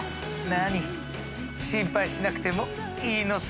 なに心配しなくてもいいのさ。